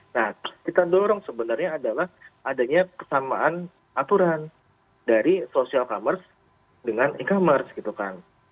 nah kita dorong sebenarnya adalah adanya kesamaan aturan dari social commerce dengan e commerce gitu kan